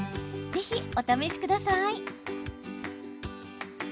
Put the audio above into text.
ぜひ、お試しください。